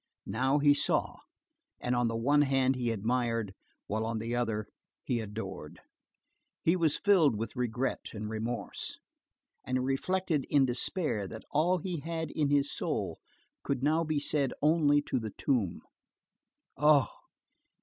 Now he saw, and on the one hand he admired, while on the other he adored. He was filled with regret and remorse, and he reflected in despair that all he had in his soul could now be said only to the tomb. Oh!